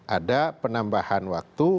ada penambahan waktu